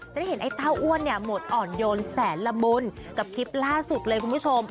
จะได้เห็นไอ้เต้าอ้วนเนี่ยหมดอ่อนโยนแสนละมุนกับคลิปล่าสุดเลยคุณผู้ชม